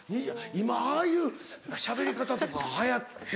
今ああいうしゃべり方とか流行ってんのか。